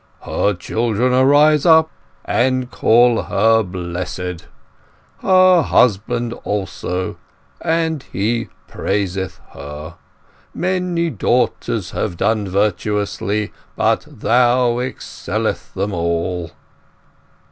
Her children arise up and call her blessed; her husband also, and he praiseth her. Many daughters have done virtuously, but thou excellest them all."